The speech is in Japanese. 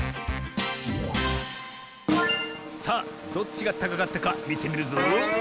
さあどっちがたかかったかみてみるぞ。